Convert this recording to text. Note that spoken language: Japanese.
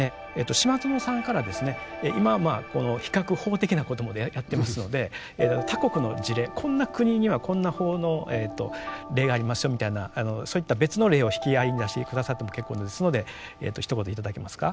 島薗さんからですね今比較法的なことまでやってますので他国の事例「こんな国にはこんな法の例がありますよ」みたいなそういった別の例を引き合いに出して下さっても結構ですのでひと言頂けますか？